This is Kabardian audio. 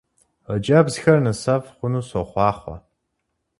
Хъыджэбзхэр нысэфӀ хъуну сохъуахъуэ!